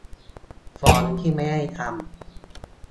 ฟอนต์ที่ไม่ได้ทำ